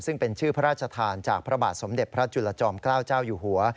ซึ่งเป็นชื่อพระราชทานจากพระบาทสมเด็จพระจุลจอมเกล้าเจ้าอยู่หัว